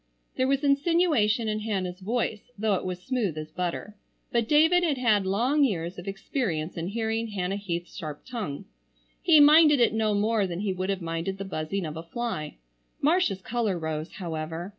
There was insinuation in Hannah's voice though it was smooth as butter, but David had had long years of experience in hearing Hannah Heath's sharp tongue. He minded it no more than he would have minded the buzzing of a fly. Marcia's color rose, however.